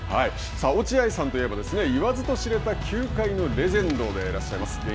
さあ、落合さんといえば言わずと知れた球界のレジェンドでいらっしゃいます。